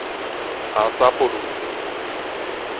阿沙不魯